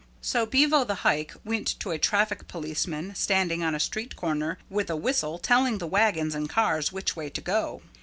So Bevo the Hike went to a traffic policeman standing on a street corner with a whistle telling the wagons and cars which way to go.